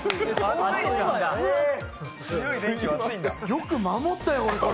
よく守ったよ、俺、これ。